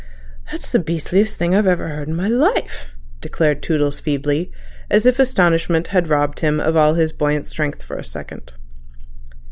"That's the beastliest thing I've ever heard in my life," declared Toodles feebly, as if astonishment had robbed him of all his buoyant strength in a second.